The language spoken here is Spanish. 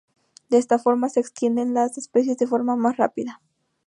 De esta forma se extienden las especies de forma más rápida.